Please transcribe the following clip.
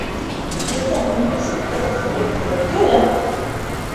Һеҙҙең университетығыҙҙың ректоры кем?